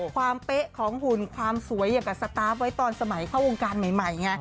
เป๊ะของหุ่นความสวยอย่างกับสตาร์ฟไว้ตอนสมัยเข้าวงการใหม่ไง